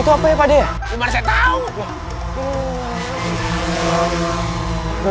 itu apa ya pak deh